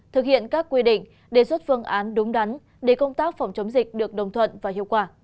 thực hiện các quy định đề xuất phương án đúng đắn để công tác phòng chống dịch được đồng thuận và hiệu quả